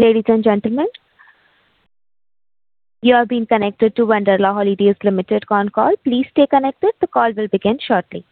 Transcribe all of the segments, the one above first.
Ladies and gentlemen, you have been connected to Wonderla Holidays Limited con call. Please stay connected. The call will begin shortly.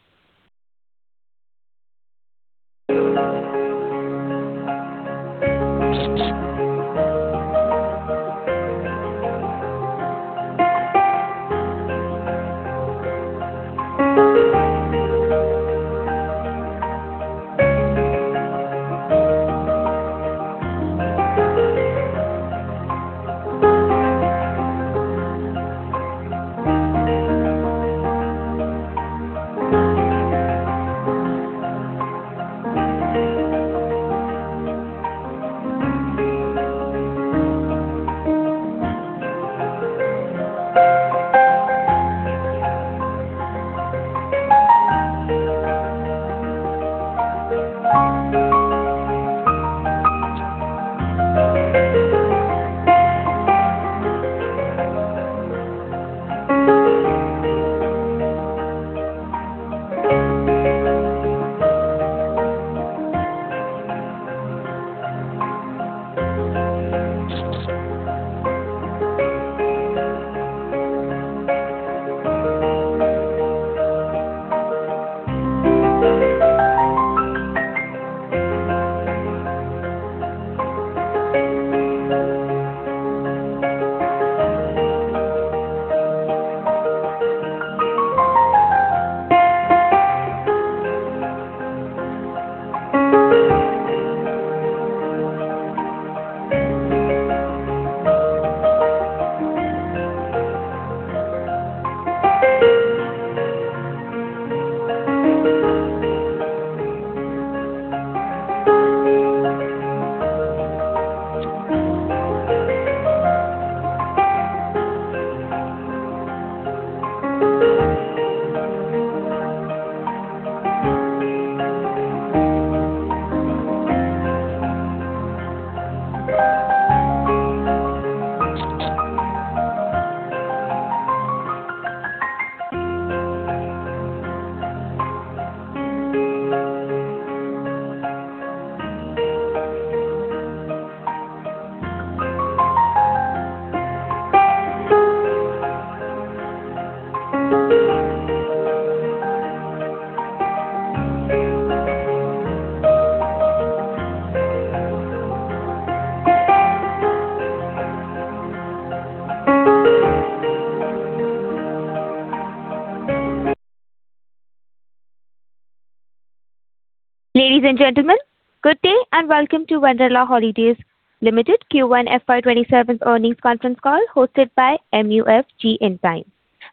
Ladies and gentlemen, good day and welcome to Wonderla Holidays Limited Q1 FY 2027 earnings conference call hosted by MUFG inTime.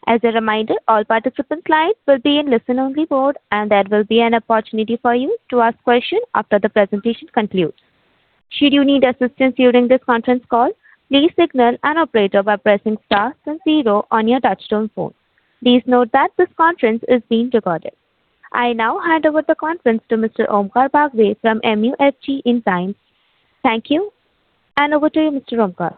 As a reminder, all participant lines will be in listen only mode and there will be an opportunity for you to ask questions after the presentation concludes. Should you need assistance during this conference call, please signal an operator by pressing star then zero on your touchtone phone. Please note that this conference is being recorded. I now hand over the conference to Mr. Omkar Bagwe from MUFG inTime. Thank you and over to you, Mr. Omkar.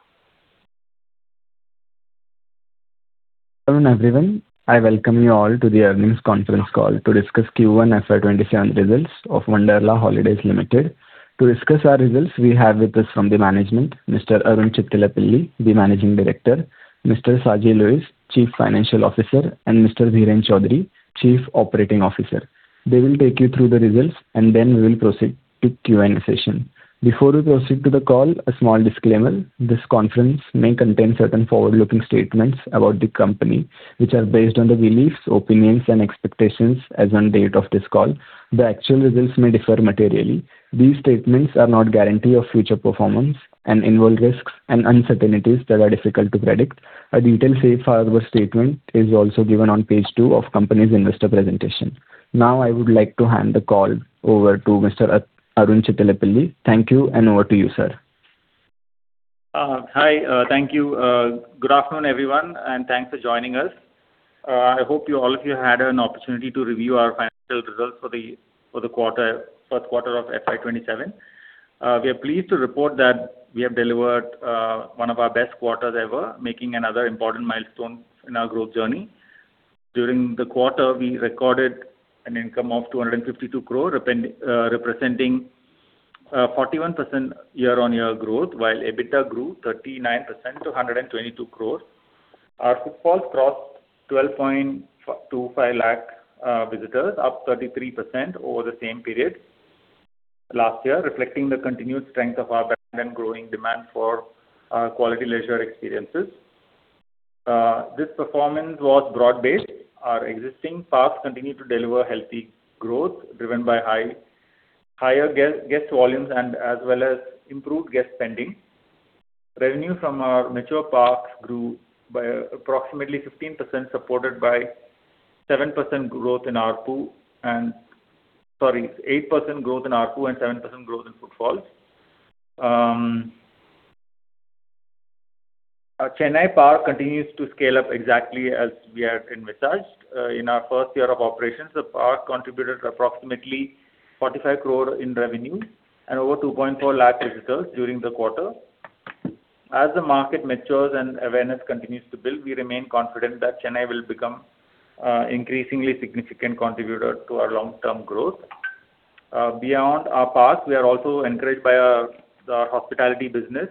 Good afternoon, everyone. I welcome you all to the earnings conference call to discuss Q1 FY 2027 results of Wonderla Holidays Limited. To discuss our results we have with us from the management, Mr. Arun Chittilappilly, the Managing Director, Mr. Saji Louiz, Chief Financial Officer, and Mr. Dheeran Choudhary, Chief Operating Officer. They will take you through the results and then we will proceed to Q&A session. Before we proceed to the call, a small disclaimer. This conference may contain certain forward-looking statements about the company, which are based on the beliefs, opinions, and expectations as on date of this call. The actual results may differ materially. These statements are not guarantee of future performance and involve risks and uncertainties that are difficult to predict. A detailed safe harbor statement is also given on page two of company's investor presentation. Now I would like to hand the call over to Mr. Arun Chittilappilly. Thank you and over to you, sir. Hi. Thank you. Good afternoon, everyone, and thanks for joining us. I hope all of you had an opportunity to review our financial results for the first quarter of FY 2027. We are pleased to report that we have delivered one of our best quarters ever, making another important milestone in our growth journey. During the quarter, we recorded an income of 252 crore, representing 41% year-on-year growth, while EBITDA grew 39% to 122 crore. Our footfalls crossed 12.25 lakh visitors, up 33% over the same period last year, reflecting the continued strength of our brand and growing demand for quality leisure experiences. This performance was broad-based. Our existing parks continue to deliver healthy growth driven by higher guest volumes and as well as improved guest spending. Revenue from our mature parks grew by approximately 15%, supported by 7% growth in ARPU and 8% growth in ARPU and 7% growth in footfalls. Our Chennai Park continues to scale up exactly as we had envisaged. In our first year of operations, the park contributed approximately 45 crore in revenue and over 2.4 lakh visitors during the quarter. As the market matures and awareness continues to build, we remain confident that Chennai will become an increasingly significant contributor to our long-term growth. Beyond our parks, we are also encouraged by our hospitality business.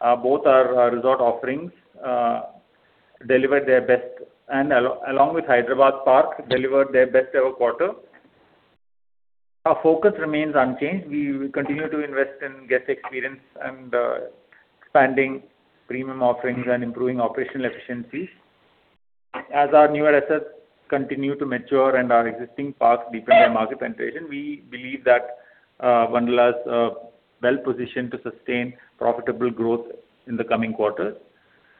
Both our resort offerings delivered their best, and along with Hyderabad Park, delivered their best-ever quarter. Our focus remains unchanged. We will continue to invest in guest experience and expanding premium offerings and improving operational efficiencies. As our newer assets continue to mature and our existing parks deepen their market penetration, we believe that Wonderla is well-positioned to sustain profitable growth in the coming quarters.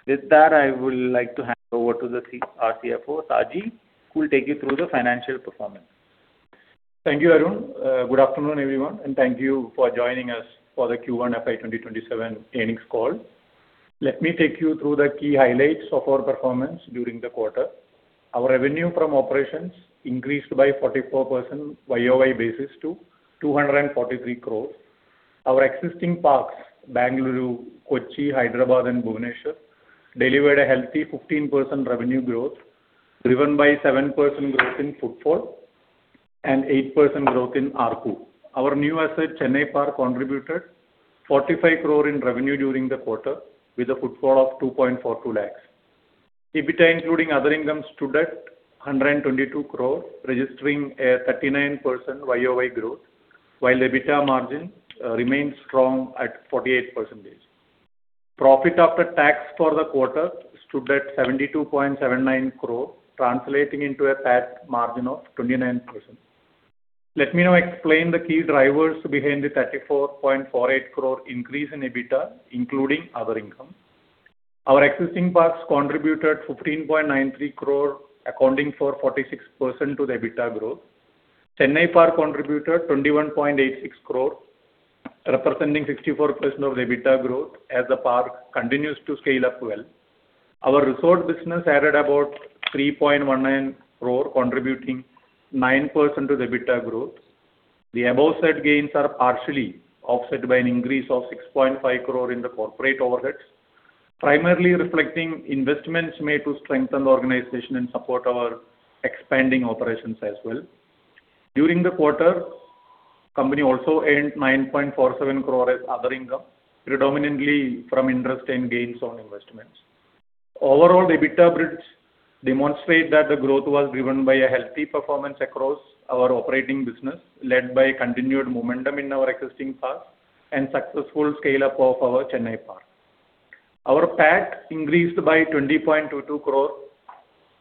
With that, I would like to hand over to our CFO, Saji, who will take you through the financial performance. Thank you, Arun. Good afternoon, everyone, thank you for joining us for the Q1 FY 2027 earnings call. Let me take you through the key highlights of our performance during the quarter. Our revenue from operations increased by 44% Y-o-Y basis to 243 crore. Our existing parks, Bengaluru, Kochi, Hyderabad, and Bhubaneswar, delivered a healthy 15% revenue growth, driven by 7% growth in footfall and 8% growth in ARPU. Our new asset, Chennai Park, contributed 45 crore in revenue during the quarter with a footfall of 2.42 lakh. EBITDA, including other income, stood at 122 crore, registering a 39% Y-o-Y growth, while the EBITDA margin remains strong at 48%. Profit after tax for the quarter stood at 72.79 crore, translating into a PAT margin of 29%. Let me now explain the key drivers behind the 34.48 crore increase in EBITDA, including other income. Our existing parks contributed 15.93 crore, accounting for 46% to the EBITDA growth. Chennai Park contributed 21.86 crore, representing 64% of the EBITDA growth, as the park continues to scale up well. Our resort business added about 3.19 crore, contributing 9% to the EBITDA growth. The above said gains are partially offset by an increase of 6.5 crore in the corporate overheads, primarily reflecting investments made to strengthen the organization and support our expanding operations as well. During the quarter, the company also earned 9.47 crore as other income, predominantly from interest and gains on investments. Overall, the EBITDA bridge demonstrates that the growth was driven by a healthy performance across our operating business, led by continued momentum in our existing parks and successful scale-up of our Chennai Park. Our PAT increased by 20.22 crore,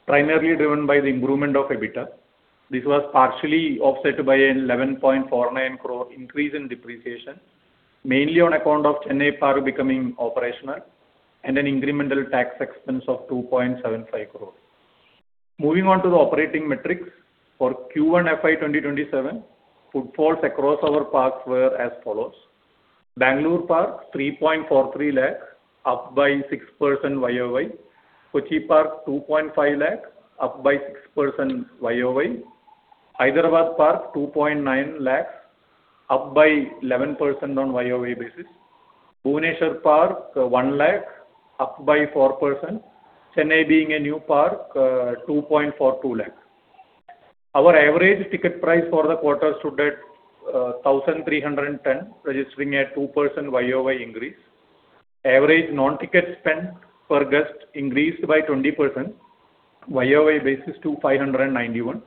primarily driven by the improvement of EBITDA. This was partially offset by an 11.49 crore increase in depreciation, mainly on account of Chennai Park becoming operational, and an incremental tax expense of 2.75 crore. Moving on to the operating metrics for Q1 FY 2027, footfalls across our parks were as follows: Bengaluru Park, 3.43 lakh, up by 6% Y-o-Y. Kochi Park, 2.5 lakh, up by 6% Y-o-Y. Hyderabad Park, 2.9 lakh, up by 11% on Y-o-Y basis. Bhubaneswar Park, 1 lakh, up by 4%. Chennai being a new park, 2.42 lakh. Our average ticket price for the quarter stood at 1,310, registering a 2% Y-o-Y increase. Average non-ticket spend per guest increased by 20% Y-o-Y basis to 591,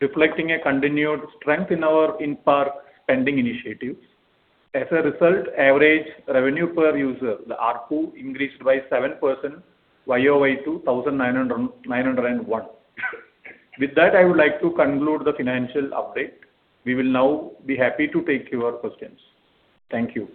reflecting a continued strength in our in-park spending initiatives. As a result, average revenue per user, the ARPU, increased by 7% Y-o-Y to 1,901. With that, I would like to conclude the financial update. We will now be happy to take your questions. Thank you.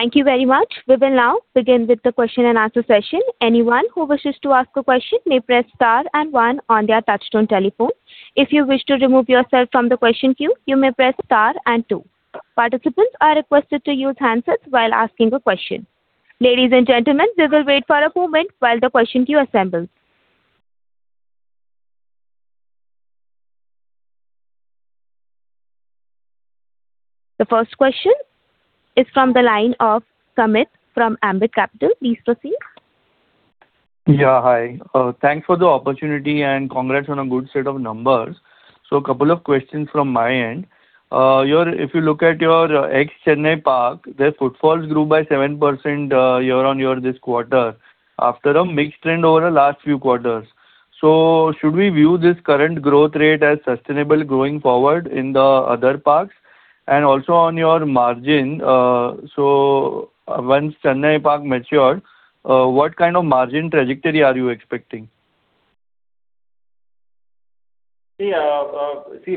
Thank you very much. We will now begin with the question-and-answer session. Anyone who wishes to ask a question may press star and one on their touch-tone telephone. If you wish to remove yourself from the question queue, you may press star and two. Participants are requested to use handsets while asking a question. Ladies and gentlemen, we will wait for a moment while the question queue assembles. The first question is from the line of Shamit from Ambit Capital. Please proceed. Hi. Thanks for the opportunity and congrats on a good set of numbers. Couple of questions from my end. If you look at your ex-Chennai park, the footfalls grew by 7% year-on-year this quarter after a mixed trend over the last few quarters. Should we view this current growth rate as sustainable going forward in the other parks? Also on your margin, once Chennai Park matures, what kind of margin trajectory are you expecting? See,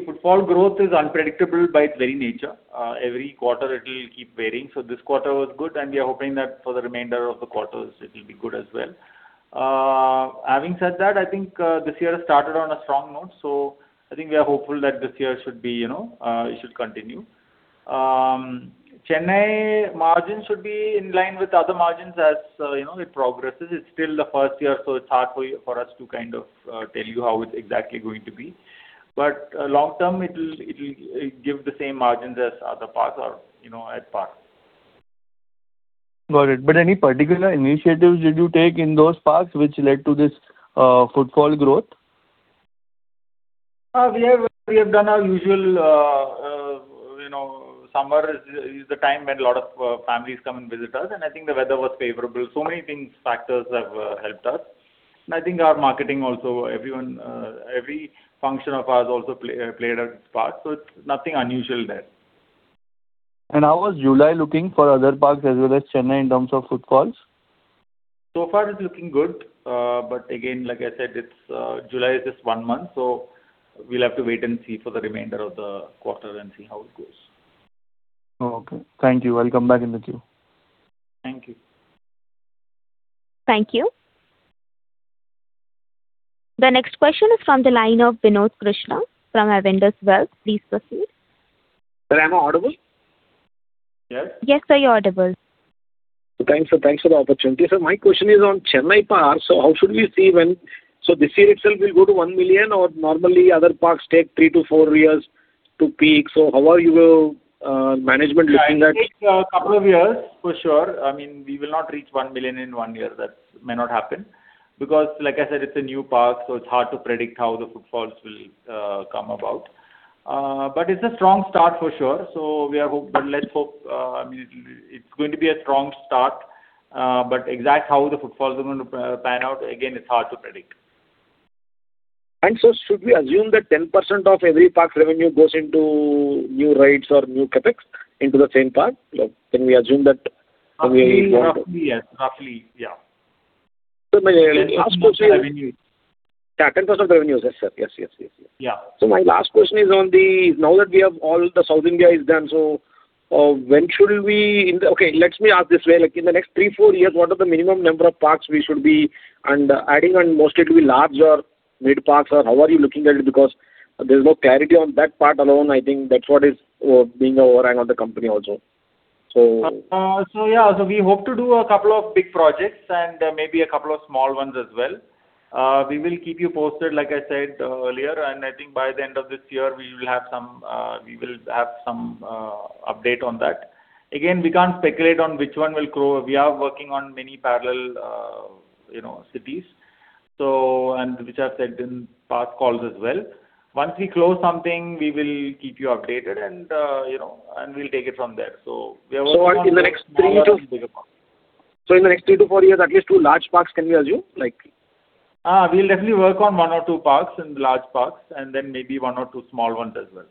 footfall growth is unpredictable by its very nature. Every quarter it will keep varying. This quarter was good, we are hoping that for the remainder of the quarters, it will be good as well. Having said that, I think this year has started on a strong note. I think we are hopeful that this year it should continue. Chennai margins should be in line with other margins as it progresses. It's still the first year, so it's hard for us to tell you how it's exactly going to be. Long term, it will give the same margins as other parks are at par. Got it. Any particular initiatives did you take in those parks which led to this footfall growth? We have done our usual. Summer is the time when a lot of families come and visit us, I think the weather was favorable. Many factors have helped us. I think our marketing also, every function of ours also played a part. It's nothing unusual there. How was July looking for other parks as well as Chennai in terms of footfalls? Far it's looking good. Again, like I said, July is just one month, so we'll have to wait and see for the remainder of the quarter and see how it goes. Okay. Thank you. I'll come back in the queue. Thank you. Thank you. The next question is from the line of Vinod Krishnan from Avendus Wealth. Please proceed. Sir, am I audible? Yes. Yes, sir, you're audible. Thanks for the opportunity. Sir, my question is on Chennai park. How should we see when this year itself, we'll go to 1 million, or normally other parks take three to four years to peak. How are you management looking at— It takes a couple of years, for sure. We will not reach 1 million in one year. That may not happen because like I said, it's a new park, so it's hard to predict how the footfalls will come about. It's a strong start, for sure. It's going to be a strong start, but exactly how the footfalls are going to pan out, again, it's hard to predict. Should we assume that 10% of every park's revenue goes into new rides or new CapEx into the same park? Can we assume that? Roughly, yes. My last question is— 10% of revenue. Yeah, 10% of revenue. Yes, sir. Yeah. My last question is on the, now that we have all the South India is done. Okay, let me ask this way. In the next three to four years, what are the minimum number of parks we should be adding, and mostly it will be large or mid parks, or how are you looking at it? There's no clarity on that part alone, I think that's what is being a overhang on the company also. Yeah. We hope to do a couple of big projects and maybe a couple of small ones as well. We will keep you posted, like I said earlier, and I think by the end of this year, we will have some update on that. We can't speculate on which one will grow. We are working on many parallel cities, which I've said in past calls as well. Once we close something, we will keep you updated and we'll take it from there. We are working- In the next three to four years, at least two large parks, can we assume? We'll definitely work on one or two parks and large parks, and then maybe one or two small ones as well.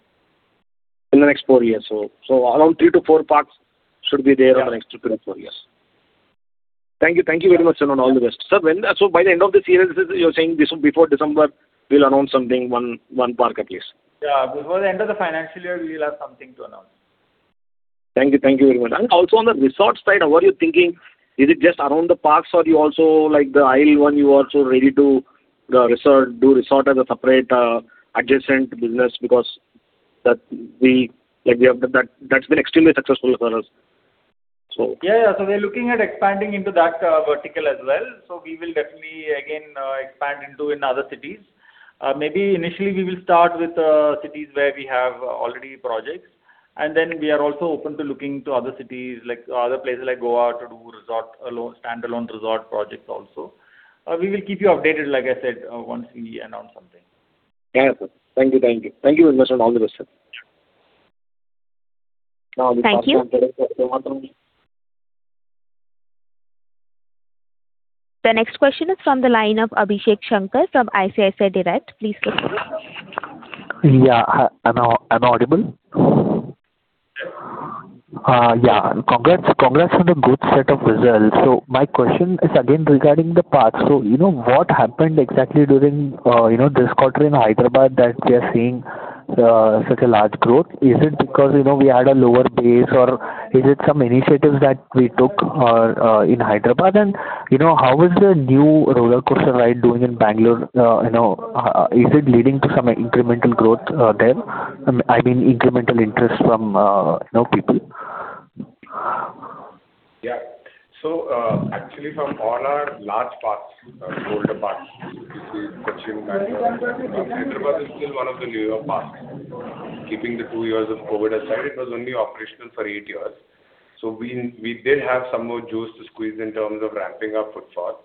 In the next four years. Around three to four parks should be there on the next three to four years. Thank you. Thank you very much, sir, and all the best. Sir, by the end of this year, you're saying before December, we'll announce something, one park at least. Yeah. Before the end of the financial year, we'll have something to announce. Thank you. Thank you very much. Also on the resorts side, what are you thinking? Is it just around the parks or you also like the Isle 1, you also ready to do resort as a separate adjacent business because that's been extremely successful for us. We're looking at expanding into that vertical as well. We will definitely, again, expand into in other cities. Maybe initially we will start with cities where we have already projects. We are also open to looking to other cities, like other places like Goa to do standalone resort projects also. We will keep you updated, like I said, once we announce something. Sir. Thank you. Thank you very much, all the best, sir. Thank you. The next question is from the line of Abhishek Shankar from ICICI Direct. Please go ahead. Am I audible? Congrats on the good set of results. My question is again regarding the park. What happened exactly during this quarter in Hyderabad that we are seeing such a large growth? Is it because we had a lower base or is it some initiatives that we took in Hyderabad? How is the new roller coaster ride doing in Bangalore? Is it leading to some incremental growth there? I mean, incremental interest from people. Actually from all our large parks, older parks, you see Cochin, Bangalore, Hyderabad is still one of the newer parks. Keeping the two years of COVID aside, it was only operational for eight years. We did have some more juice to squeeze in terms of ramping-up footfall.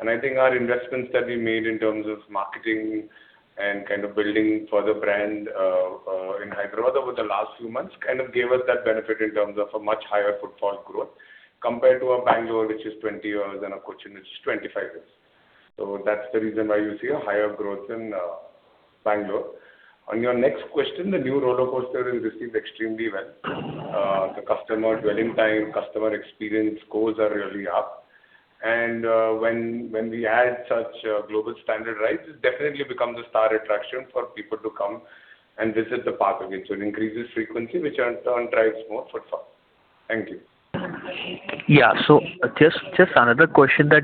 I think our investments that we made in terms of marketing and kind of building for the brand in Hyderabad over the last few months kind of gave us that benefit in terms of a much higher footfall growth compared to our Bangalore, which is 20 years and our Cochin, which is 25 years. That's the reason why you see a higher growth in Bangalore. On your next question, the new rollercoaster is received extremely well. The customer dwelling time, customer experience scores are really up. When we add such global standard rides, it definitely becomes a star attraction for people to come and visit the park again. It increases frequency, which in turn drives more footfall. Thank you. Just another question. The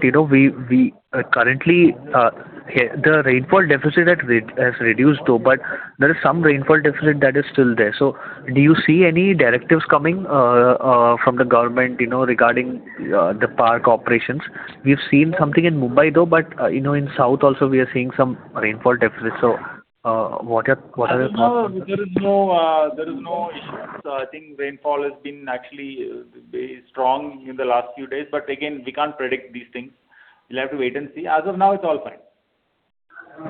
rainfall deficit has reduced though, there is some rainfall deficit that is still there. Do you see any directives coming from the government regarding the park operations? We've seen something in Mumbai, though, but in south also, we are seeing some rainfall deficit. No, there is no issue. I think rainfall has been actually very strong in the last few days, again, we can't predict these things. We'll have to wait and see. As of now, it's all fine.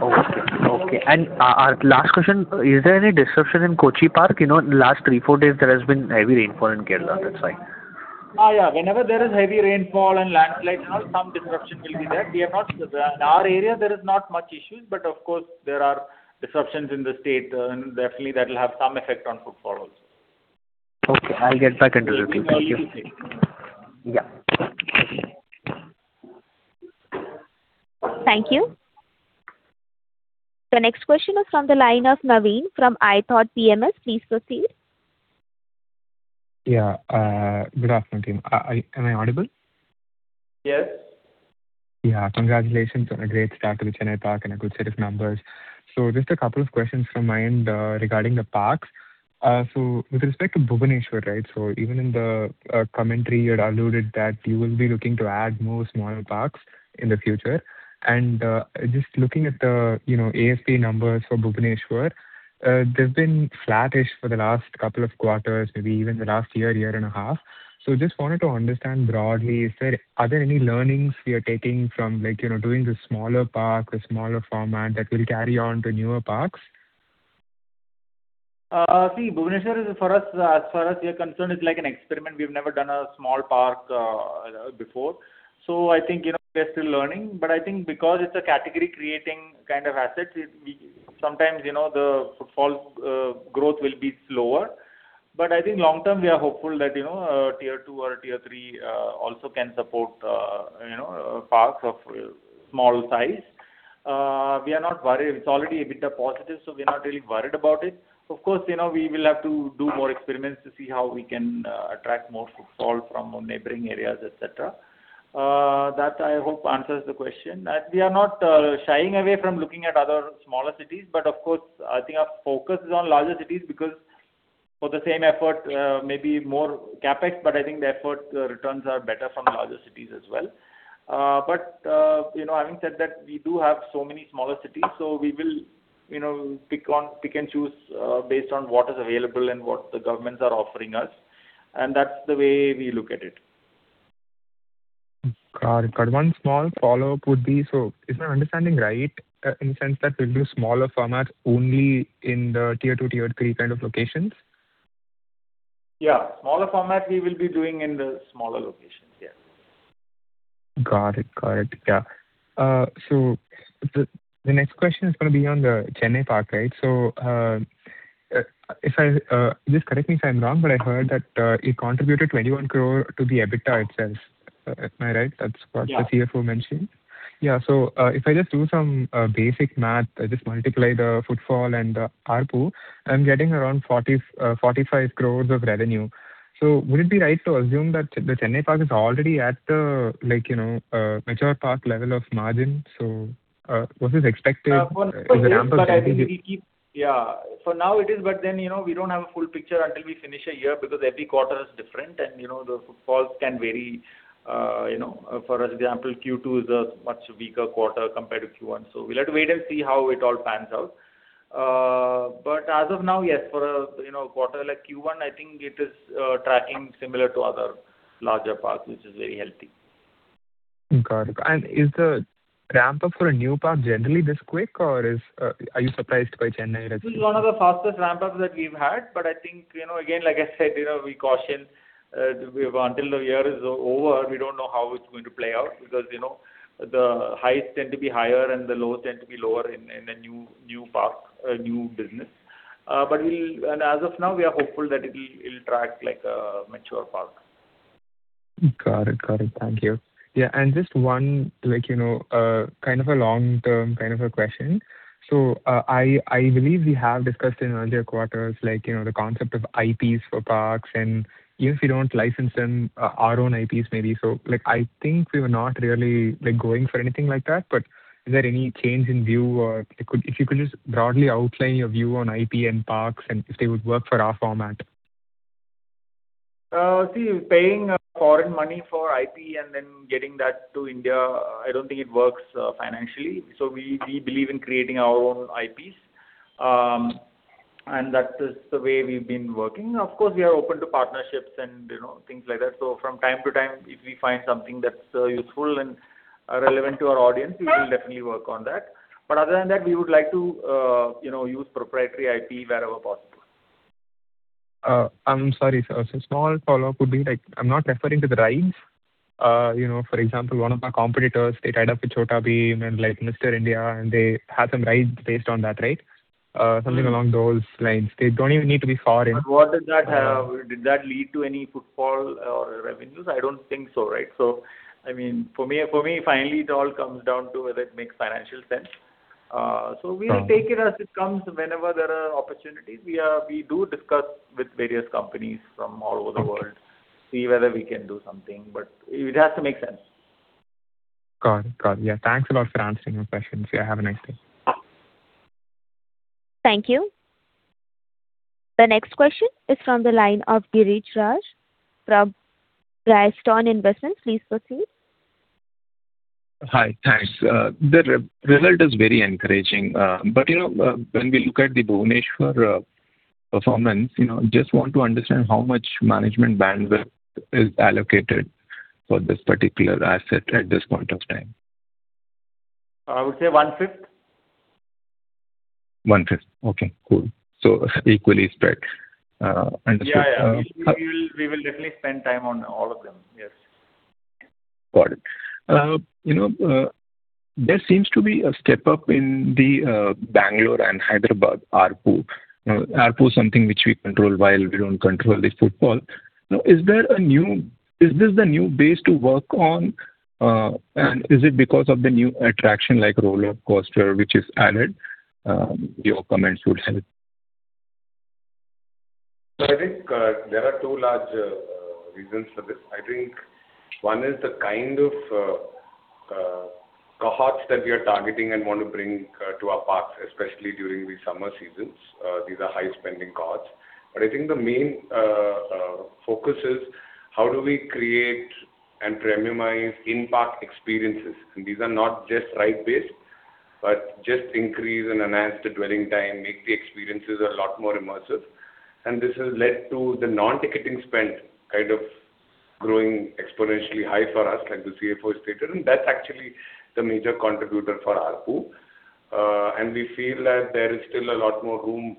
Okay. Our last question, is there any disruption in Kochi park? In the last three, four days, there has been heavy rainfall in Kerala, that's why. Yeah. Whenever there is heavy rainfall and landslides and all, some disruption will be there. In our area, there is not much issues, but of course, there are disruptions in the state. Definitely, that will have some effect on footfall also. Okay. I'll get back into the queue. Thank you. Yeah. Thank you. The next question is from the line of Navin from ithoughtPMS. Please proceed. Yeah. Good afternoon, team. Am I audible? Yes. Yeah. Congratulations on a great start to the Chennai park and a good set of numbers. Just a couple of questions from my end regarding the parks. With respect to Bhubaneswar, even in the commentary, you had alluded that you will be looking to add more smaller parks in the future. Just looking at the ASP numbers for Bhubaneswar, they've been flattish for the last couple of quarters, maybe even the last year and a half. Just wanted to understand broadly, are there any learnings we are taking from doing the smaller park, the smaller format that will carry on to newer parks? See, Bhubaneswar, as far as we are concerned, is like an experiment. We've never done a small park before. I think we are still learning. I think because it's a category-creating kind of asset, sometimes the footfall growth will be slower. I think long-term, we are hopeful that Tier 2 or Tier 3 also can support parks of small size. We are not worried. It's already a bit of positive, we're not really worried about it. Of course, we will have to do more experiments to see how we can attract more footfall from neighboring areas, et cetera. That I hope answers the question. We are not shying away from looking at other smaller cities, of course, I think our focus is on larger cities because for the same effort, maybe more CapEx, I think the effort returns are better from larger cities as well. Having said that, we do have so many smaller cities, we will pick and choose based on what is available and what the governments are offering us, that's the way we look at it. Got it. One small follow-up would be, is my understanding right in sense that we'll do smaller formats only in the tier 2, tier 3 kind of locations? Yeah. Smaller format we will be doing in the smaller locations. Yeah. Got it. Yeah. The next question is going to be on the Chennai Park. Just correct me if I'm wrong, but I heard that it contributed 21 crore to the EBITDA itself. Am I right? Yeah The CFO mentioned. Yeah, if I just do some basic math, I just multiply the footfall and the ARPU, I'm getting around 45 crore of revenue. Would it be right to assume that the Chennai Park is already at the mature Park level of margin? Was this expected as a ramp-up? For now it is, we don't have a full picture until we finish a year because every quarter is different and the footfalls can vary. For example, Q2 is a much weaker quarter compared to Q1. We'll have to wait and see how it all pans out. As of now, yes, for a quarter like Q1, I think it is tracking similar to other larger parks, which is very healthy. Got it. Is the ramp-up for a new park generally this quick, or are you surprised by Chennai results? This is one of the fastest ramp-ups that we've had. I think, again, like I said, we caution until the year is over, we don't know how it's going to play out because the highs tend to be higher and the lows tend to be lower in a new park, a new business. As of now, we are hopeful that it'll track like a mature park. Got it. Thank you. Just one kind of a long-term kind of a question. I believe we have discussed in earlier quarters, the concept of IPs for parks, and even if we don't license them, our own IPs maybe. I think we were not really going for anything like that. Is there any change in view, or if you could just broadly outline your view on IP and parks and if they would work for our format. Paying foreign money for IP and then getting that to India, I don't think it works financially. We believe in creating our own IPs. That is the way we've been working. Of course, we are open to partnerships and things like that. From time to time, if we find something that's useful and relevant to our audience, we will definitely work on that. Other than that, we would like to use proprietary IP wherever possible. I'm sorry, sir. Small follow-up would be, I'm not referring to the rides. For example, one of our competitors, they tied up with Chhota Bheem and like Mr. India, and they have some rides based on that. Something along those lines. They don't even need to be foreign. Did that lead to any footfall revenues? I don't think so. For me, finally, it all comes down to whether it makes financial sense. We take it as it comes whenever there are opportunities. We do discuss with various companies from all over the world to see whether we can do something, it has to make sense. Got it. Yeah. Thanks a lot for answering your questions. Yeah, have a nice day. Thank you. The next question is from the line of Girish Raj from Bryanston Investments. Please proceed. Hi. Thanks. The result is very encouraging. When we look at the Bhubaneswar performance, just want to understand how much management bandwidth is allocated for this particular asset at this point of time. I would say one-fifth. One-fifth. Okay, cool. Equally spread. Understood. Yeah. We will definitely spend time on all of them. Yes. Got it. There seems to be a step up in the Bangalore and Hyderabad ARPU. ARPU is something which we control, while we don't control the footfall. Is this the new base to work on? Is it because of the new attraction, like roller coaster, which is added? Your comments would help. I think there are two large reasons for this. I think one is the kind of cohorts that we are targeting and want to bring to our parks, especially during the summer seasons. These are high-spending cohorts. I think the main focus is how do we create and premiumize in-park experiences. These are not just ride-based, but just increase and enhance the dwelling time, make the experiences a lot more immersive. This has led to the non-ticketing spend kind of growing exponentially high for us, like the CFO stated, and that's actually the major contributor for ARPU. We feel that there is still a lot more room,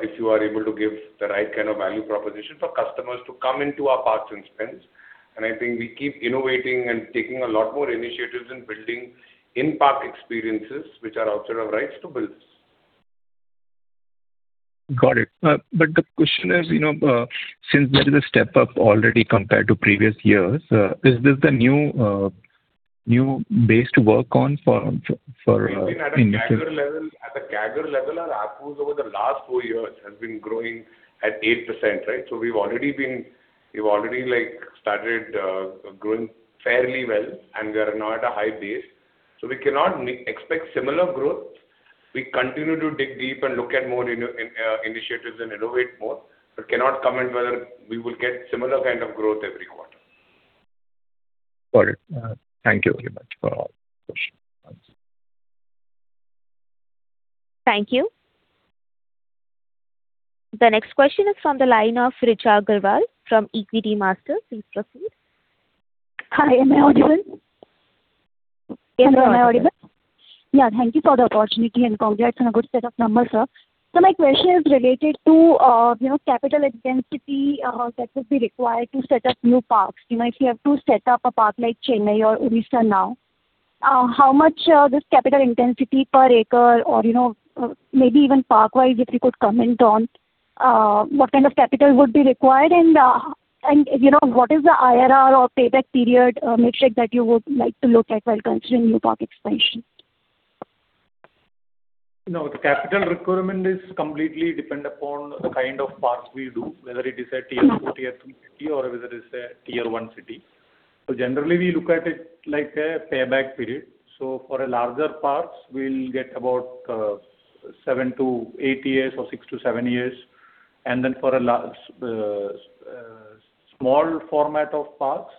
if you are able to give the right kind of value proposition for customers to come into our parks and spend. I think we keep innovating and taking a lot more initiatives in building in-park experiences which are outside of rides to build. Got it. The question is, since this is a step up already compared to previous years, is this the new base to work on? At a CAGR level, our ARPUs over the last four years has been growing at 8%. We've already started growing fairly well, and we are now at a high base. We cannot expect similar growth. We continue to dig deep and look at more initiatives and innovate more, cannot comment whether we will get similar kind of growth every quarter. Got it. Thank you very much for all those questions-and-answers. Thank you. The next question is from the line of Richa Agarwal from Equitymaster. Please proceed. Hi, am I audible? You are. Yeah. Thank you for the opportunity and congrats on a good set of numbers, sir. My question is related to capital intensity that would be required to set up new parks. If you have to set up a park like Chennai or Odisha now, how much this capital intensity per acre or maybe even park-wise, if you could comment on what kind of capital would be required and what is the IRR or payback period metric that you would like to look at while considering new park expansion? No, the capital requirement is completely dependent upon the kind of parks we do, whether it is a Tier 4, Tier 3 city or whether it's a Tier 1 city. Generally, we look at it like a payback period. For larger parks, we'll get about seven to eight years or six to seven years. For a small format of parks,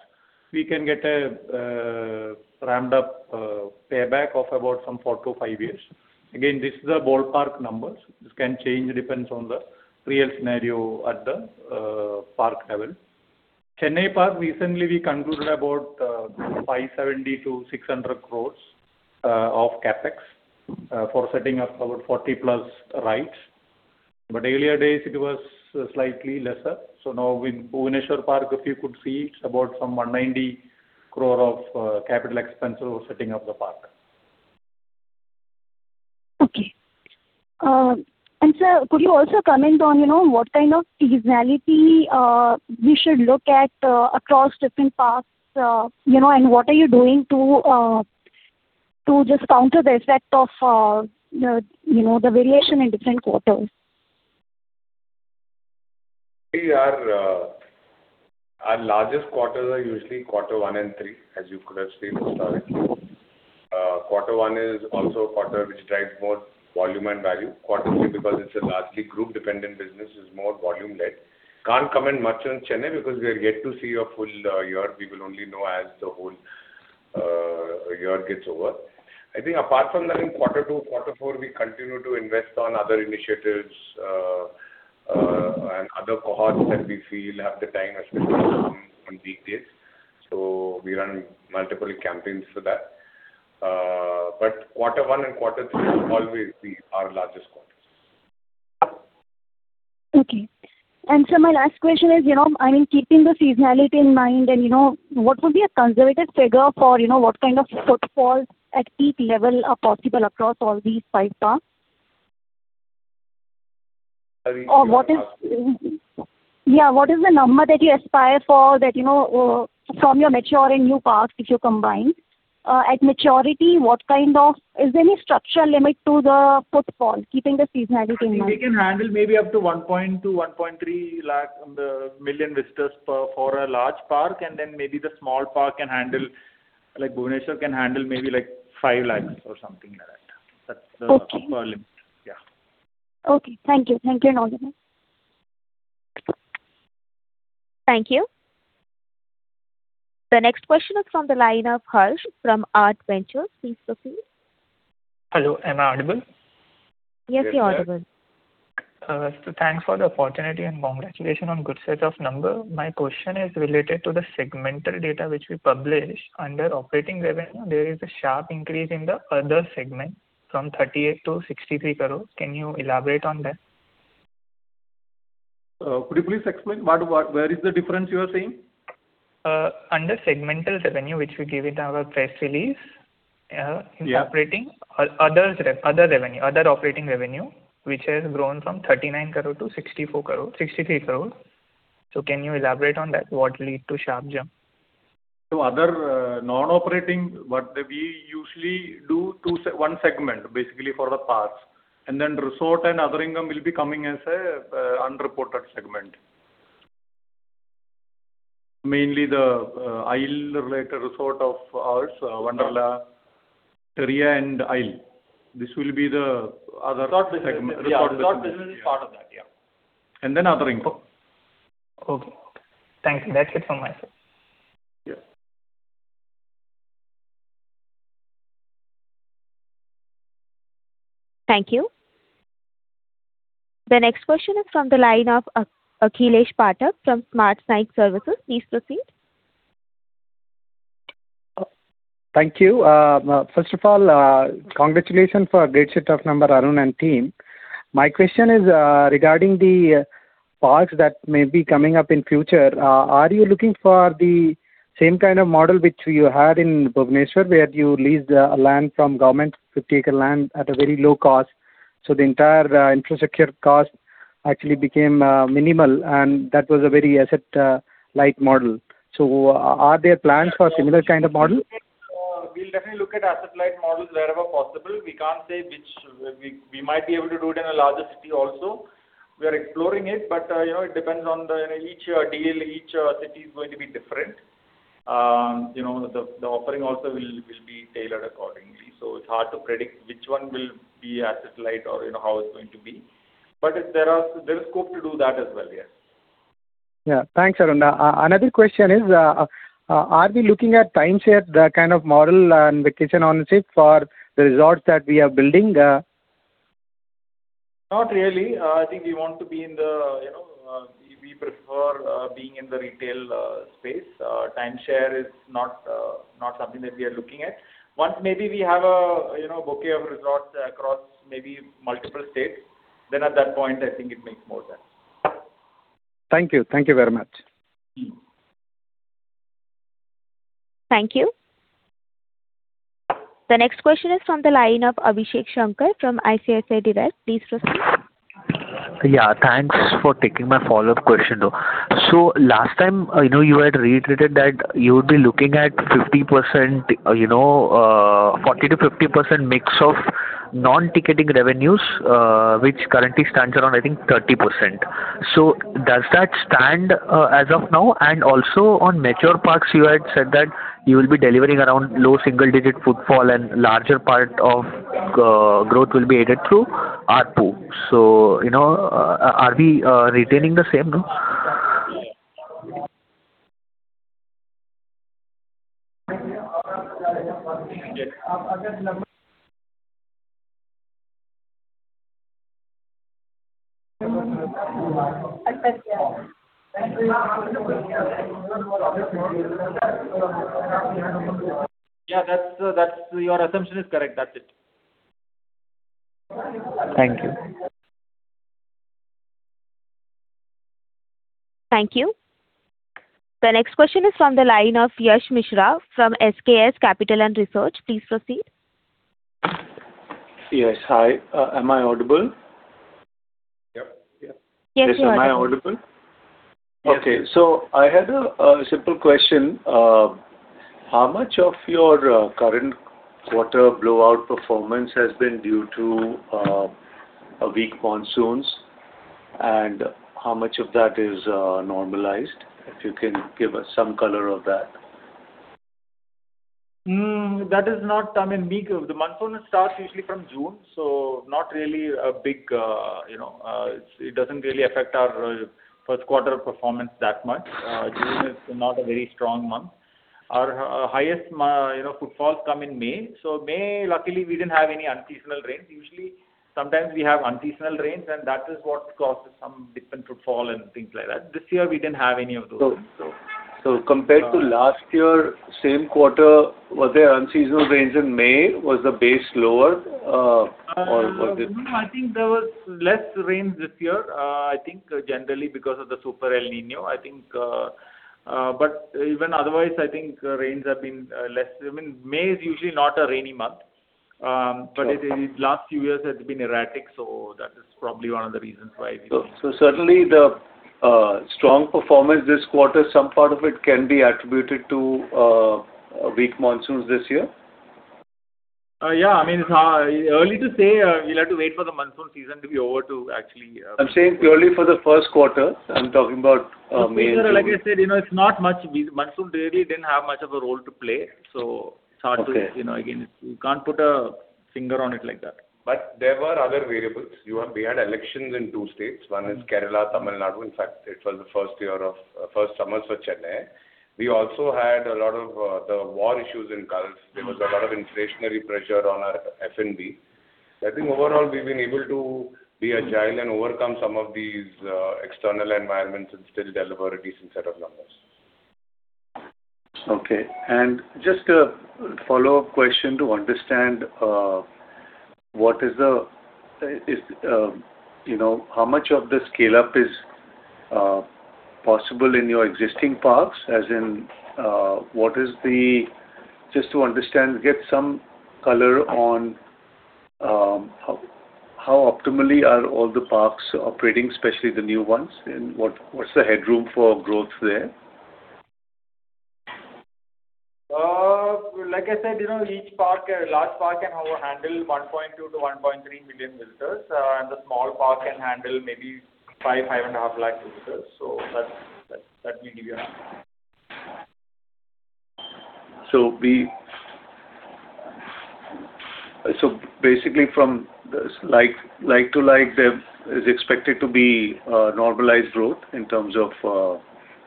we can get a ramped-up payback of about some four to five years. Again, this is the ballpark numbers. This can change, depends on the real scenario at the park level. Chennai park recently we concluded about 570 crore-600 crore of CapEx for setting up about 40+ rides. Earlier days it was slightly lesser. Now with Bhubaneswar park, if you could see, it's about some 190 crore of capital expense over setting up the park. Okay. Sir, could you also comment on what kind of seasonality we should look at across different parks, and what are you doing to just counter the effect of the variation in different quarters? Our largest quarters are usually quarter one and three, as you could have seen historically. Quarter one is also a quarter which drives more volume and value. Quarter three, because it's a largely group-dependent business, is more volume led. Can't comment much on Chennai because we are yet to see a full year. We will only know as the whole year gets over. I think apart from that, in quarter two, quarter four, we continue to invest on other initiatives and other cohorts that we feel have the time, especially on weekdays. We run multiple campaigns for that. Quarter one and Quarter three will always be our largest quarters. Okay. Sir, my last question is, keeping the seasonality in mind, what would be a conservative figure for what kind of footfalls at peak level are possible across all these five parks? What is the number that you aspire for that from your mature and new parks if you combine? At maturity, is there any structural limit to the footfall, keeping the seasonality in mind? We can handle maybe up to 1.2 million-1.3 million visitors for a large park, then maybe the small park can handle, Bhubaneswar can handle maybe 5 lakhs or something like that. Okay. That's the upper limit. Yeah. Okay. Thank you. Thank you, Arun. Thank you. The next question is from the line of Harsh from ArtVentures. Please proceed. Hello, am I audible? Yes, you are audible. Thanks for the opportunity and congratulations on good set of number. My question is related to the segmental data which we published under operating revenue. There is a sharp increase in the other segment from 38 crore to 63 crore. Can you elaborate on that? Could you please explain where is the difference you are seeing? Under segmental revenue, which we give in our press release. Yeah In operating, other revenue, other operating revenue, which has grown from 39 crore to 63 crore. Can you elaborate on that? What lead to sharp jump? Other non-operating, what we usually do one segment basically for the parks, then resort and other income will be coming as an unreported segment. Mainly the Isle-related resort of ours, Wonderla, Terrea, and Isle. This will be the other segment. Resort business is part of that, yeah. Other income. Okay. Thank you. That's it from my side. Yeah. Thank you. The next question is from the line of Akhilesh Pathak from Smart Sync Services. Please proceed. Thank you. First of all, congratulations for great set of number, Arun and team. My question is regarding the parks that may be coming up in future. Are you looking for the same kind of model which you had in Bhubaneswar, where you leased land from government, 50 acre land at a very low cost, so the entire infrastructure cost actually became minimal, and that was a very asset light model. Are there plans for similar kind of model? We'll definitely look at asset light models wherever possible. We can't say which. We might be able to do it in a larger city also. We are exploring it, but it depends on each deal, each city is going to be different. The offering also will be tailored accordingly. It's hard to predict which one will be asset light or how it's going to be. There is scope to do that as well, yes. Yeah. Thanks, Arun. Another question is, are we looking at timeshare, kind of model and vacation ownership for the resorts that we are building? Not really. I think we prefer being in the retail space. Timeshare is not something that we are looking at. Once maybe we have a bouquet of resorts across maybe multiple states, at that point, I think it makes more sense. Thank you. Thank you very much. Thank you. The next question is from the line of Abhishek Shankar from ICICI Direct. Please proceed. Yeah, thanks for taking my follow-up question though. Last time, you had reiterated that you would be looking at 40%-50% mix of non-ticketing revenues, which currently stands around, I think 30%. Does that stand as of now? Also on mature parks, you had said that you will be delivering around low single-digit footfall and larger part of growth will be added through ARPU. Are we retaining the same now? Yeah. Your assumption is correct. That's it. Thank you. Thank you. The next question is from the line of Yash Mishra from SKS Capital and Research. Please proceed. Yes. Hi. Am I audible? Yep. Yes, you are. Am I audible? Yes. Okay. I had a simple question. How much of your current quarter blowout performance has been due to weak monsoons and how much of that is normalized? If you can give us some color of that. The monsoon starts usually from June. It doesn't really affect our first quarter performance that much. June is not a very strong month. Our highest footfalls come in May. May, luckily, we didn't have any unseasonal rains. Usually, sometimes we have unseasonal rains, and that is what causes some different footfall and things like that. This year we didn't have any of those. Compared to last year, same quarter, was there unseasonal rains in May? Was the base lower? No, I think there was less rains this year. I think generally because of the super El Niño. Even otherwise, I think rains have been less. May is usually not a rainy month. The last few years has been erratic. Certainly the strong performance this quarter, some part of it can be attributed to weak monsoons this year? Yeah. Early to say. We'll have to wait for the monsoon season to be over to actually- I'm saying purely for the first quarter, I'm talking about mainly- Like I said, monsoon really didn't have much of a role to play, so it's hard to- Okay again, you can't put a finger on it like that. There were other variables. We had elections in two states. One is Kerala, Tamil Nadu. In fact, it was the first summers for Chennai. We also had a lot of the war issues in Gulf. There was a lot of inflationary pressure on our F&B. I think overall we've been able to be agile and overcome some of these external environments and still deliver a decent set of numbers. Okay. Just a follow-up question to understand how much of the scale-up is possible in your existing parks, as in, just to understand, get some color on how optimally are all the parks operating, especially the new ones, and what's the headroom for growth there? Like I said, each large park can handle 1.2 million-1.3 million visitors, and the small park can handle maybe 5.5 lakh visitors. That may give you an answer. Basically from like to like, there is expected to be a normalized growth in terms of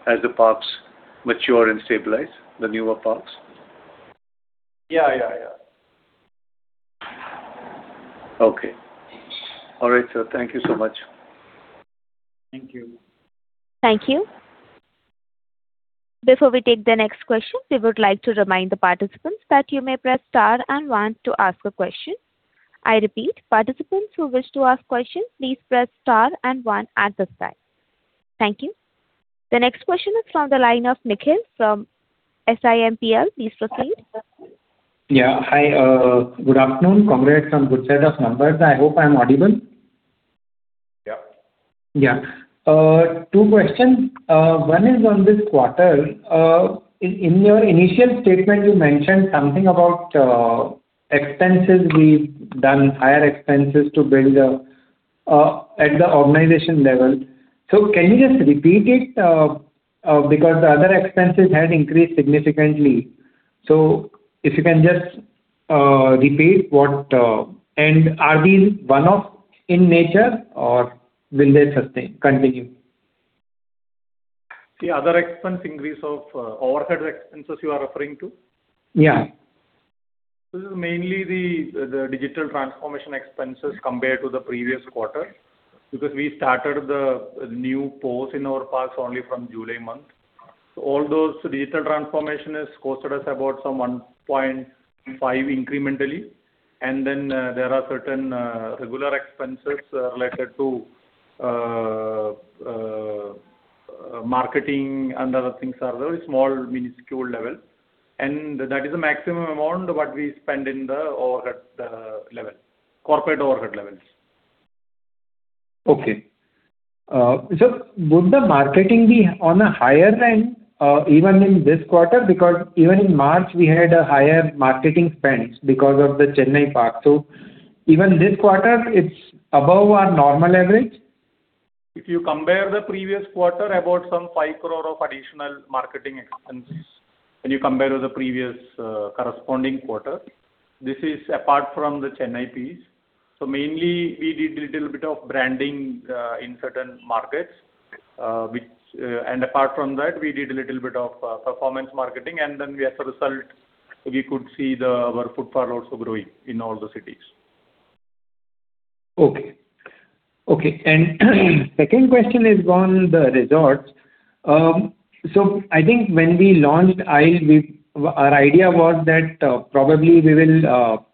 as the parks mature and stabilize, the newer parks? Yeah. Okay. All right, sir. Thank you so much. Thank you. Thank you. Before we take the next question, we would like to remind the participants that you may press star and one to ask a question. I repeat, participants who wish to ask questions, please press star and one at this time. Thank you. The next question is from the line of Nikhil from SIMPL. Please proceed. Yeah. Hi, good afternoon. Congrats on good set of numbers. I hope I'm audible. Yeah. Yeah. Two questions. One is on this quarter. In your initial statement, you mentioned something about expenses being done, higher expenses to build at the organization level. Can you just repeat it? The other expenses had increased significantly. If you can just repeat what. Are these one-off in nature, or will they continue? The other expense increase of overhead expenses you are referring to? Yeah. This is mainly the digital transformation expenses compared to the previous quarter. We started the new POS in our parks only from July month. All those digital transformation has cost us about some 1.5 crore incrementally. There are certain regular expenses related to marketing and other things are very small, minuscule level. That is the maximum amount what we spend in the corporate overhead levels. Okay. Would the marketing be on a higher end, even in this quarter? Even in March, we had a higher marketing spends because of the Chennai park. Even this quarter, it's above our normal average? If you compare the previous quarter, about some 5 crore of additional marketing expenses, when you compare with the previous corresponding quarter. This is apart from the Chennai piece. Mainly, we did a little bit of branding in certain markets. Apart from that, we did a little bit of performance marketing. As a result, we could see our footfall also growing in all the cities. Okay. Second question is on the resorts. I think when we launched Isle, our idea was that probably we will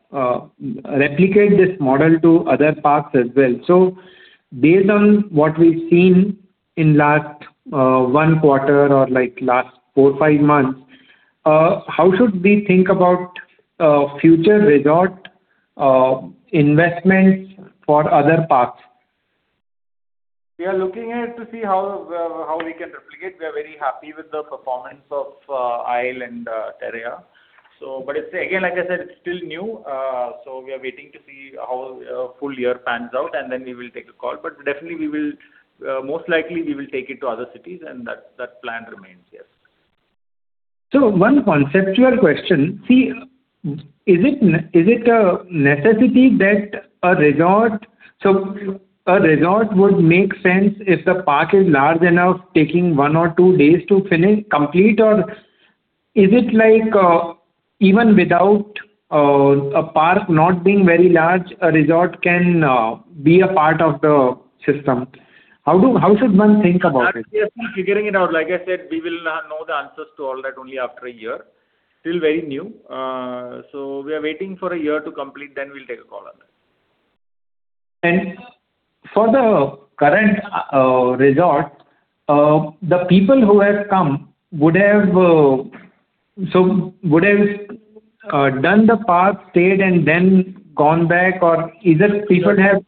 replicate this model to other parks as well. Based on what we've seen in last one quarter or last four, five months, how should we think about future resort investments for other parks? We are looking at to see how we can replicate. We are very happy with the performance of Isle and Terrea. Again, like I said, it's still new. We are waiting to see how full year pans out. Then we will take a call. Definitely, most likely we will take it to other cities, and that plan remains, yes. One conceptual question. Is it a necessity that a resort would make sense if the park is large enough, taking one or two days to complete? Is it like even without a park not being very large, a resort can be a part of the system? How should one think about it? We are still figuring it out. Like I said, we will know the answers to all that only after one year. Still very new. We are waiting for one year to complete, then we'll take a call on it. For the current resort, the people who have come would have done the park, stayed, and then gone back, or either people have-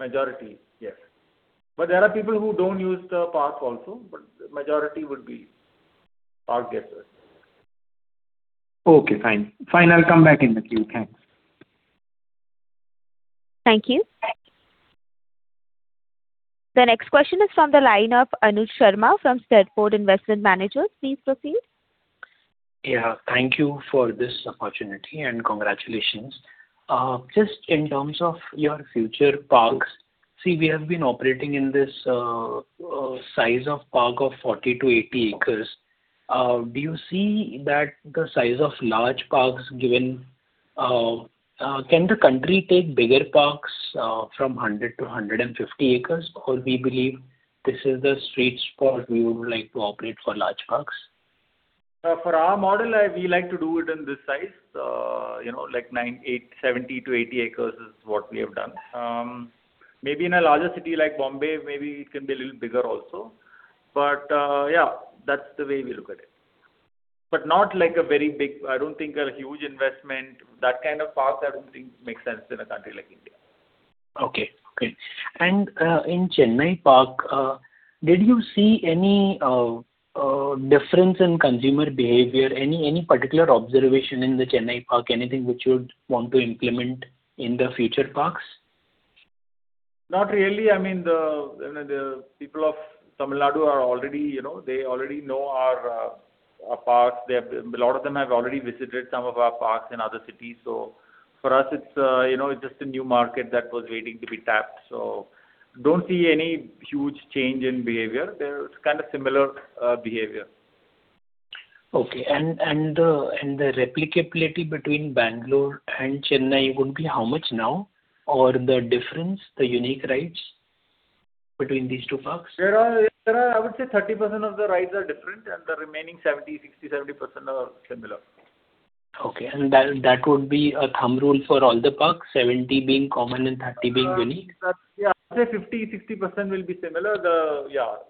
Majority, yes. There are people who don't use the park also. The majority would be park visitors. Okay, fine. Fine. I'll come back in the queue. Thanks. Thank you. The next question is from the line of Anuj Sharma from SteadFort Investment Managers. Please proceed. Yeah. Thank you for this opportunity and congratulations. Just in terms of your future parks, see, we have been operating in this size of park of 40 acres-80 acres. Do you see that the size of large parks given Can the country take bigger parks from 100 acres-150 acres? We believe this is the sweet spot we would like to operate for large parks. For our model, we like to do it in this size. Like 70 acres-80 acres is what we have done. Maybe in a larger city like Bombay, maybe it can be a little bigger also. Yeah, that's the way we look at it. Not like I don't think a huge investment, that kind of park, I don't think makes sense in a country like India. Okay. In Chennai park, did you see any difference in consumer behavior? Any particular observation in the Chennai park? Anything which you would want to implement in the future parks? Not really. The people of Tamil Nadu, they already know our parks. A lot of them have already visited some of our parks in other cities. For us, it's just a new market that was waiting to be tapped. Don't see any huge change in behavior. They're kind of similar behavior. Okay. The replicability between Bangalore and Chennai would be how much now? Or the difference, the unique rides between these two parks? There are, I would say, 30% of the rides are different, and the remaining 70% are similar. Okay. That would be a thumb rule for all the parks, 70% being common and 30% being unique? Yeah. I'd say 50%-60% will be similar.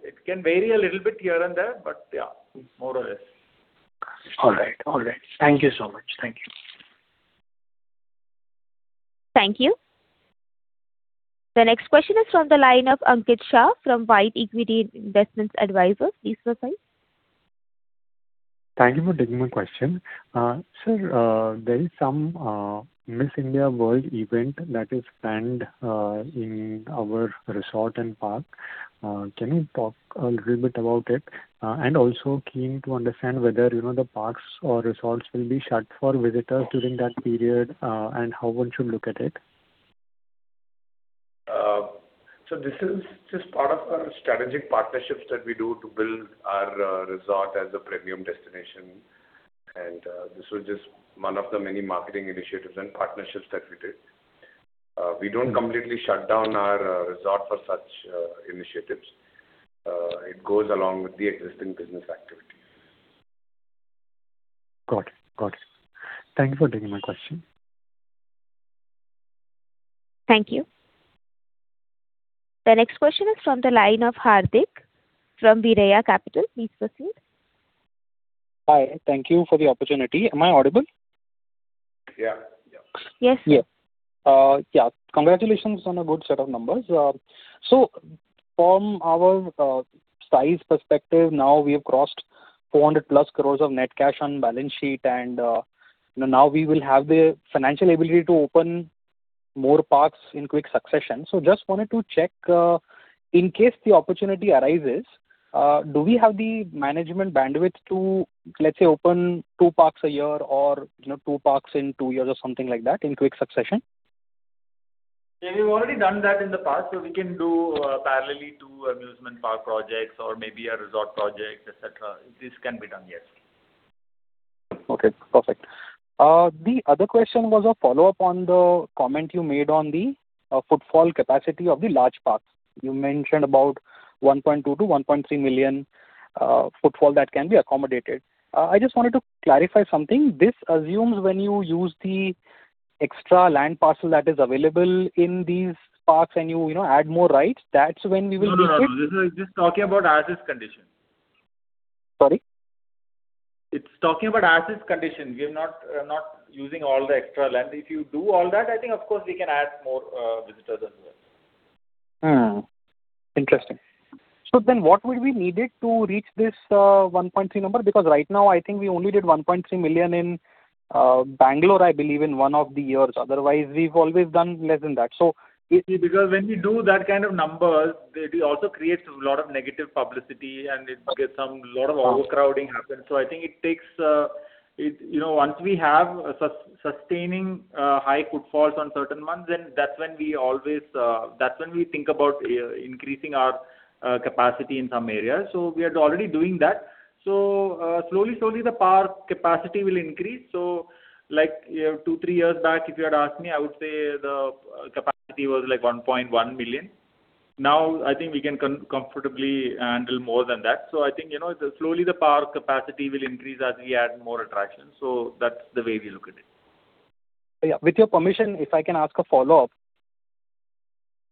It can vary a little bit here and there, but yeah, more or less. All right. Thank you so much. Thank you. Thank you. The next question is from the line of Ankit Shah from White Equity Investment Advisors. Please proceed. Thank you for taking my question. Sir, there is some Miss India event that is planned in our resort and park. Can you talk a little bit about it? Also keen to understand whether the parks or resorts will be shut for visitors during that period, and how one should look at it. This is just part of our strategic partnerships that we do to build our resort as a premium destination. This was just one of the many marketing initiatives and partnerships that we did. We don't completely shut down our resort for such initiatives. It goes along with the existing business activity. Got it. Thank you for taking my question. Thank you. The next question is from the line of Hardik from Verea Capital. Please proceed. Hi. Thank you for the opportunity. Am I audible? Yeah. Yes. Yeah. Congratulations on a good set of numbers. From our size perspective now, we have crossed 400+ crores of net cash on balance sheet, and now we will have the financial ability to open more parks in quick succession. Just wanted to check, in case the opportunity arises, do we have the management bandwidth to, let's say, open two parks a year or two parks in two years or something like that in quick succession? Yeah. We've already done that in the past, we can do parallelly two amusement park projects or maybe a resort project, et cetera. This can be done, yes. Okay, perfect. The other question was a follow-up on the comment you made on the footfall capacity of the large parks. You mentioned about 1.2 million-1.3 million footfall that can be accommodated. I just wanted to clarify something. This assumes when you use the extra land parcel that is available in these parks and you add more rides. That's when we will reach it? No. This is just talking about as-is condition. Sorry? It's talking about as-is condition. We're not using all the extra land. If you do all that, I think, of course, we can add more visitors as well. Hmm. Interesting. What will be needed to reach this 1.3 million number? Because right now I think we only did 1.3 million in Bangalore, I believe, in one of the years. Otherwise, we've always done less than that. When we do that kind of numbers, it also creates a lot of negative publicity and it gets some lot of overcrowding happen. Once we have sustaining high footfalls on certain months, that's when we think about increasing our capacity in some areas. We are already doing that. Slowly, the park capacity will increase. Like two, three years back, if you had asked me, I would say the capacity was like 1.1 million. Now, I think we can comfortably handle more than that. I think, slowly the park capacity will increase as we add more attractions. That's the way we look at it. Yeah. With your permission, if I can ask a follow-up.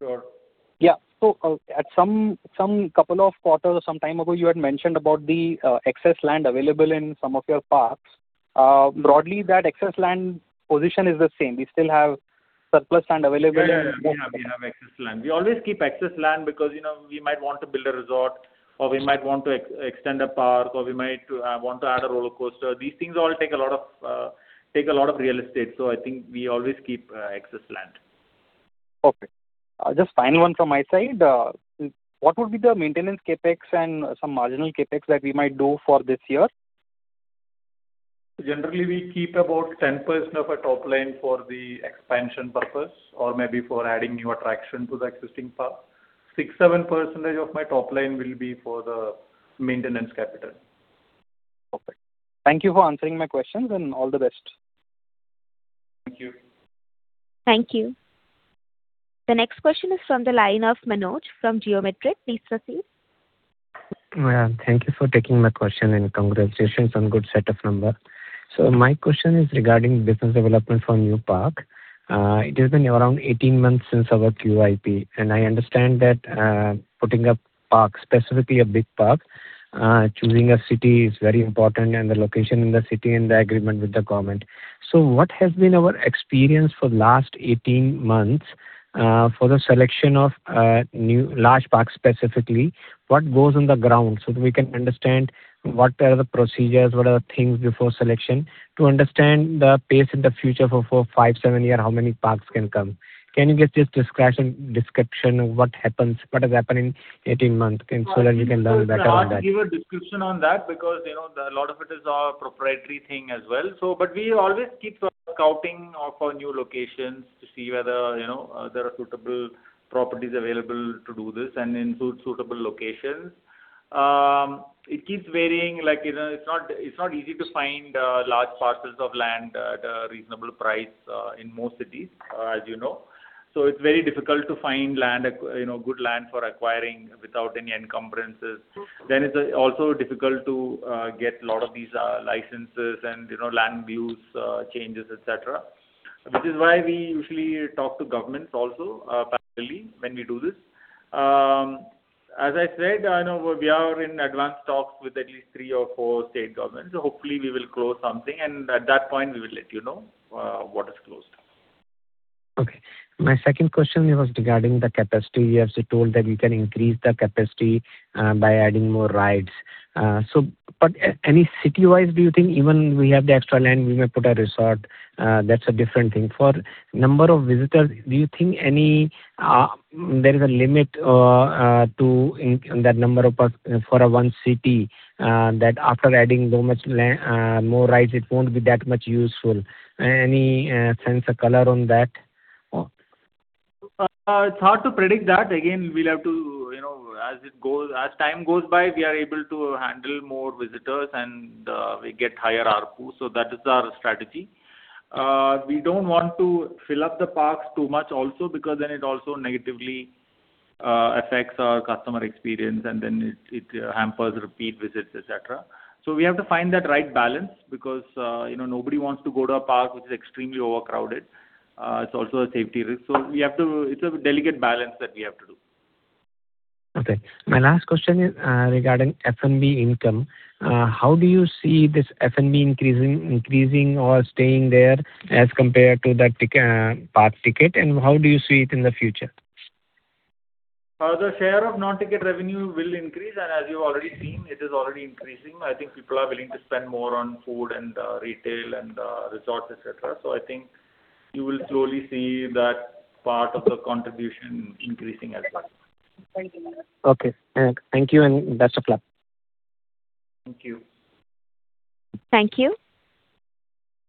Sure. Yeah. At some couple of quarters or some time ago, you had mentioned about the excess land available in some of your parks. Broadly, that excess land position is the same. We still have surplus land available. Yeah, we have excess land. We always keep excess land because we might want to build a resort, or we might want to extend a park, or we might want to add a rollercoaster. These things all take a lot of real estate. I think we always keep excess land. Okay. Just final one from my side. What would be the maintenance CapEx and some marginal CapEx that we might do for this year? Generally, we keep about 10% of our top-line for the expansion purpose, or maybe for adding new attraction to the existing park. 6%-7% of my top-line will be for the maintenance capital. Okay. Thank you for answering my questions, and all the best. Thank you. Thank you. The next question is from the line of Manoj from Geometric. Please proceed. Thank you for taking my question, and congratulations on good set of number. My question is regarding business development for new park. It has been around 18 months since our QIP, and I understand that putting up park, specifically a big park, choosing a city is very important and the location in the city and the agreement with the government. What has been our experience for last 18 months, for the selection of new large parks specifically? What goes on the ground so that we can understand what are the procedures, what are the things before selection to understand the pace in the future for five, seven year, how many parks can come? Can you just give description what happens, what has happened in 18 months so that we can learn better on that? It's hard to give a description on that because a lot of it is our proprietary thing as well. We always keep scouting off for new locations to see whether there are suitable properties available to do this and in suitable locations. It keeps varying. It's not easy to find large parcels of land at a reasonable price in most cities, as you know. It's very difficult to find good land for acquiring without any encumbrances. It's also difficult to get lot of these licenses and land use changes, et cetera. Which is why we usually talk to governments also, parallelly, when we do this. As I said, I know we are in advanced talks with at least three or four state governments. Hopefully, we will close something, and at that point, we will let you know what is closed. Okay. My second question was regarding the capacity. You have said that you can increase the capacity by adding more rides. Any city wise, do you think even we have the extra land, we may put a resort, that's a different thing. For number of visitors, do you think there is a limit to that number of park for a one city, that after adding so much more rides, it won't be that much useful? Any sense or color on that? It's hard to predict that. Again, as time goes by, we are able to handle more visitors and we get higher ARPU, that is our strategy. We don't want to fill up the parks too much also because then it also negatively affects our customer experience and then it hampers repeat visits, et cetera. We have to find that right balance because nobody wants to go to a park which is extremely overcrowded. It's also a safety risk. It's a delicate balance that we have to do. Okay. My last question is regarding F&B income. How do you see this F&B increasing or staying there as compared to that park ticket, and how do you see it in the future? The share of non-ticket revenue will increase, and as you've already seen, it is already increasing. I think people are willing to spend more on food and retail and resorts, et cetera. I think you will slowly see that part of the contribution increasing as well. Okay. Thank you, and best of luck. Thank you. Thank you.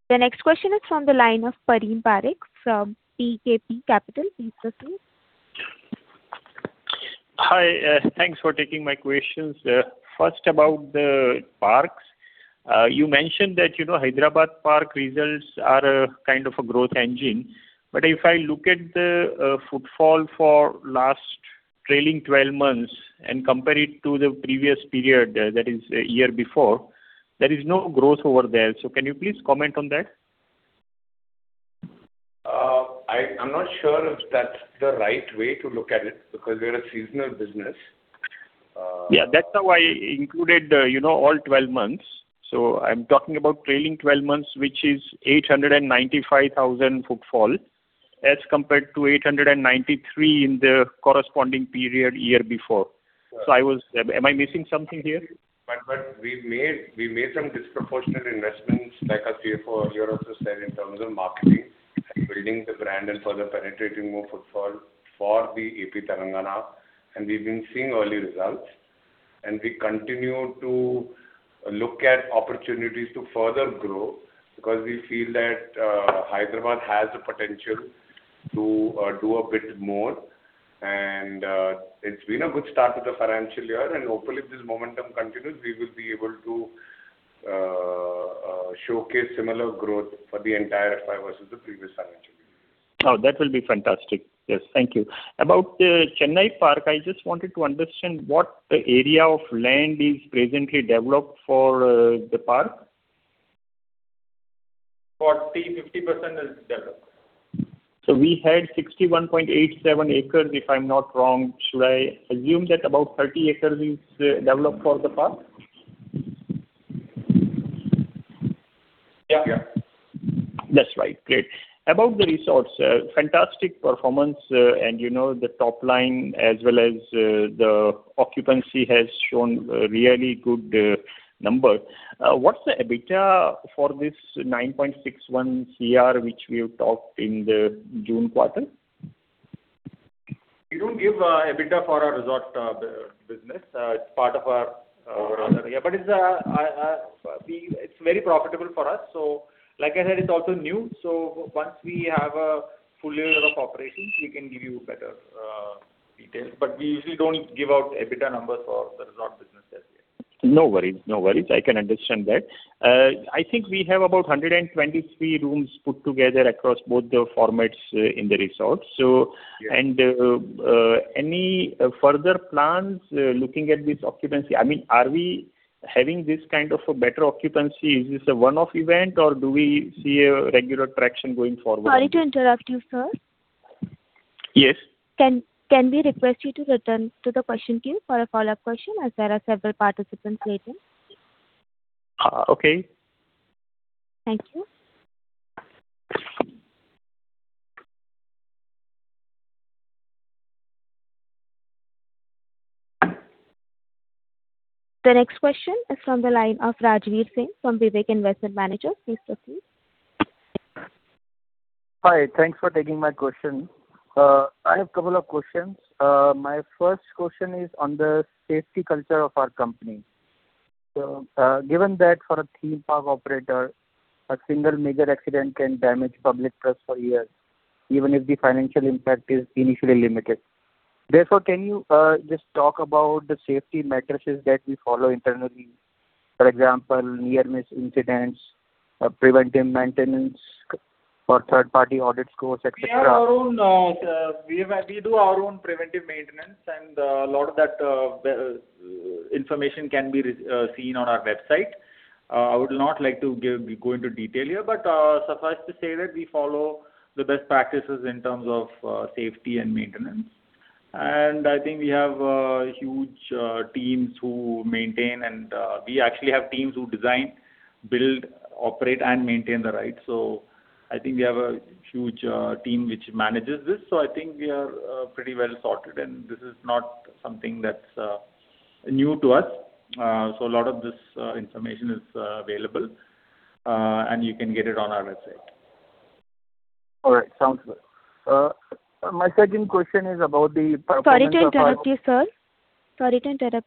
The next question is from the line of Pareen Parekh from PKP Capital. Please proceed. Hi. Thanks for taking my questions. First, about the parks. You mentioned that Hyderabad park results are a kind of a growth engine. If I look at the footfall for last trailing 12 months and compare it to the previous period, that is a year before, there is no growth over there. Can you please comment on that? I'm not sure if that's the right way to look at it because we are a seasonal business. Yeah, that's why I included all 12 months. I'm talking about trailing 12 months, which is 895,000 footfall as compared to 893,000 in the corresponding period year before. Am I missing something here? We made some disproportionate investments like our CFO earlier also said in terms of marketing and building the brand and further penetrating more footfall for the AP Telangana, and we've been seeing early results. We continue to look at opportunities to further grow because we feel that Hyderabad has the potential to do a bit more. It's been a good start to the financial year, and hopefully if this momentum continues, we will be able to showcase similar growth for the entire FY versus the previous financial year. That will be fantastic. Yes. Thank you. About the Chennai park, I just wanted to understand what area of land is presently developed for the park. 40%-50% is developed. We had 61.87 acres, if I'm not wrong. Should I assume that about 30 acres is developed for the park? Yeah. That's right. Great. About the resorts, fantastic performance and the top-line as well as the occupancy has shown really good numbers. What's the EBITDA for this 9.61 crore, which we have talked in the June quarter? We don't give EBITDA for our resort business. Overall. It's very profitable for us. Like I said, it's also new, once we have a full-year of operations, we can give you better details. We usually don't give out EBITDA numbers for the resort business as yet. No worries. I can understand that. I think we have about 123 rooms put together across both the formats in the resorts. Yeah. Any further plans looking at this occupancy? Are we having this kind of a better occupancy? Is this a one-off event, or do we see a regular traction going forward? Sorry to interrupt you, sir. Yes. Can we request you to return to the question queue for a follow-up question, as there are several participants waiting? Okay. Thank you. The next question is from the line of Rajveer Singh from Vivek Investment Manager. Please proceed. Hi. Thanks for taking my question. I have a couple of questions. My first question is on the safety culture of our company. Given that for a theme park operator, a single major accident can damage public trust for years, even if the financial impact is initially limited. Can you just talk about the safety matrices that we follow internally? For example, near-miss incidents, preventive maintenance or third-party audit scores, et cetera. We do our own preventive maintenance, and a lot of that information can be seen on our website. I would not like to go into detail here, but suffice to say that we follow the best practices in terms of safety and maintenance. I think we have huge teams who maintain, and we actually have teams who design, build, operate, and maintain the rides. I think we have a huge team which manages this. I think we are pretty well-sorted, and this is not something that's new to us. A lot of this information is available, and you can get it on our website. All right. Sounds good. My second question is about the performance of our— Sorry to interrupt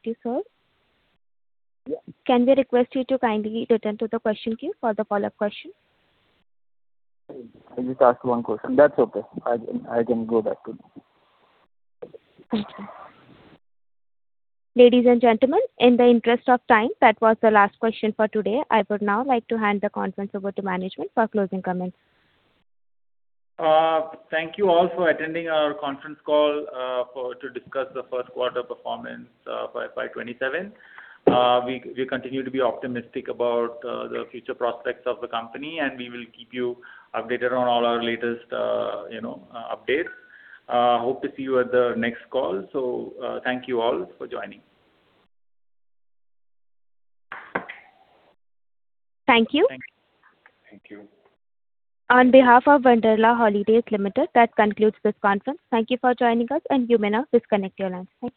you, sir. Can we request you to kindly return to the question queue for the follow-up question? I just asked one question. That is okay. I can go back to queue. Thank you. Ladies and gentlemen, in the interest of time, that was the last question for today. I would now like to hand the conference over to management for closing comments. Thank you all for attending our conference call to discuss the first quarter performance for FY 2027. We continue to be optimistic about the future prospects of the company. We will keep you updated on all our latest updates. Hope to see you at the next call. Thank you all for joining. Thank you. On behalf of Wonderla Holidays Limited, that concludes this conference. Thank you for joining us, and you may now disconnect your lines. Thank you.